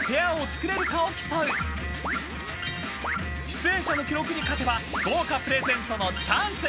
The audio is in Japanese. ［出演者の記録に勝てば豪華プレゼントのチャンス！］